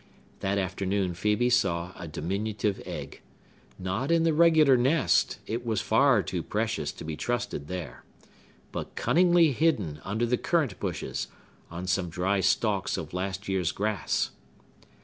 That afternoon Phœbe found a diminutive egg,—not in the regular nest, it was far too precious to be trusted there,—but cunningly hidden under the currant bushes, on some dry stalks of last year's grass.